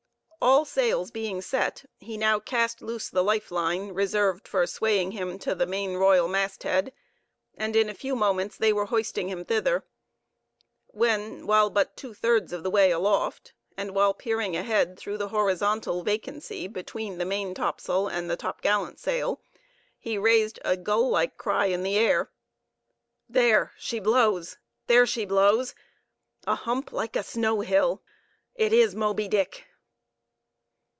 All sails being set, he now cast loose the life line, reserved for swaying him to the main royal masthead; and in a few moments they were hoisting him thither, when, while but two thirds of the way aloft, and while peering ahead through the horizontal vacancy between the main topsail and topgallant sail, he raised a gull like cry in the air, "There, she blows!—there she blows! A hump like a snow hill! It is Moby Dick!"